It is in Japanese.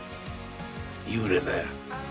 幽霊だよ。